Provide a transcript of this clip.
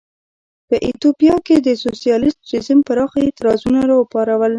په ایتوپیا کې د سوسیالېست رژیم پراخ اعتراضونه را وپارول.